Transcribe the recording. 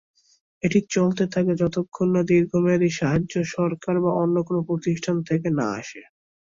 এটি চলতে থাকে যতক্ষন না দীর্ঘমেয়াদী সাহায্য সরকার বা অন্য কোন প্রতিষ্ঠান থেকে না আসে।